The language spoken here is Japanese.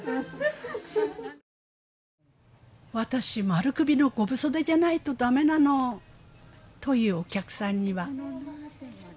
「私丸首の５分袖じゃないと駄目なの！」というお客さんには。